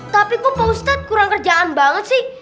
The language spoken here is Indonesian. tapi kok pak ustadz kurang kerjaan banget sih